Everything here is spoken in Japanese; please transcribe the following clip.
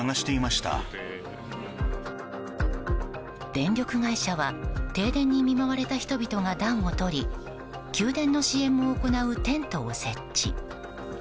電力会社は停電に見舞われた人々が暖をとり給電の支援も行うテントを設置。